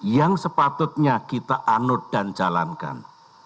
yang sepatutnya kita anut dan jalankan